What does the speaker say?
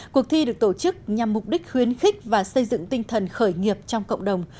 cuộc thi được tổ chức nhằm mục đích khuyến khích và xây dựng tinh thần khởi nghiệp trong cộng đồng